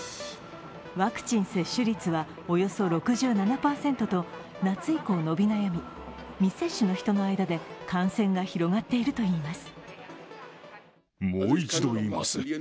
ワクチン接種率はおよそ６７％と夏以降伸び悩み、未接種の人の間で感染が広がっているといいます。